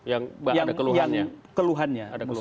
yang ada keluhannya